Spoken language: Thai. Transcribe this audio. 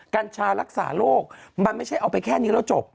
กัญชารักษาโรคมันไม่ใช่เอาไปแค่นี้แล้วจบ